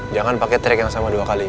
jangan pakai trik yang sama dua kali